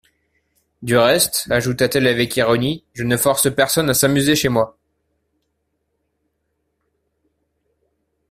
Du reste, ajouta-t-elle avec ironie, je ne force personne à s'amuser chez moi.